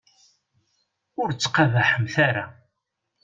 Ur ttqabaḥemt ara.